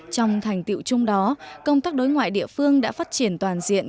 trong thành tiệu chung đó công tác đối ngoại địa phương đã phát triển toàn diện